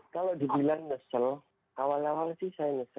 kalau dibilang nesel awal awal sih saya nesel